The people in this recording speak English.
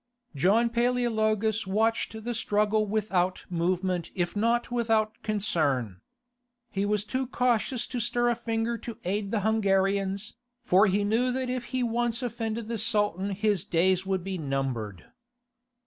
John Paleologus watched the struggle without movement if not without concern. He was too cautious to stir a finger to aid the Hungarians, for he knew that if he once offended the Sultan his days would be numbered.